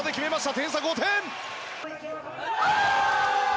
点差、５点！